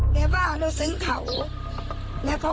สวัสดีครับทุกคน